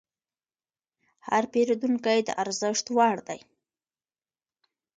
هر پیرودونکی د ارزښت وړ دی.